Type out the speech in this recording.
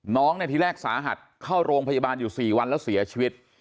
นาทีแรกสาหัสเข้าโรงพยาบาลอยู่๔วันแล้วเสียชีวิต